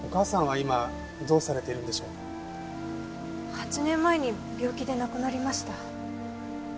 ８年前に病気で亡くなりました。